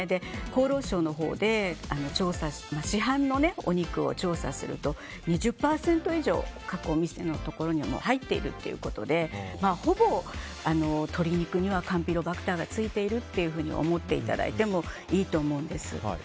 厚労省のほうで市販のお肉を調査すると２０％以上加工肉には入っているということでほぼ鶏肉にはカンピロバクターがついているというふうに思っていただいてもいいと思うんです。